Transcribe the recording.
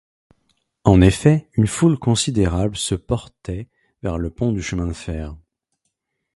En effet, une foule considérable se portait vers le pont du chemin de fer.